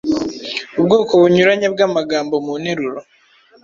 ubwoko bunyuranye bw’amagambo mu nteruro